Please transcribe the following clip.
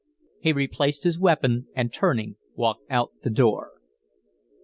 He replaced his weapon and, turning, walked out the door.